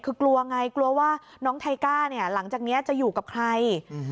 คือกลัวไงกลัวว่าน้องไทก้าเนี่ยหลังจากนี้จะอยู่กับใคร